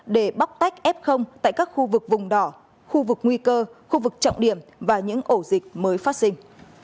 để bóc tách f tại các khu vực vùng đỏ khu vực nguy cơ khu vực trọng điểm và những ổ dịch mới phát sinh